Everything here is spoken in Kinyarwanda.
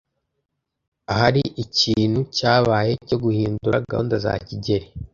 Ahari ikintu cyabaye cyo guhindura gahunda za kigeli.